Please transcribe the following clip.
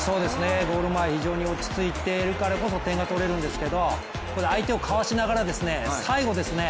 ゴール前非常に落ち着いているからこそ点が取れるんですけれども、ここで相手をかわしながら最後ですね